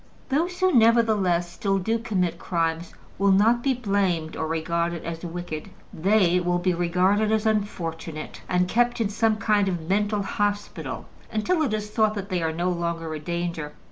Those who nevertheless still do commit crimes will not be blamed or regarded as wicked; they will be regarded as unfortunate, and kept in some kind of mental hospital until it is thought that they are no longer a danger.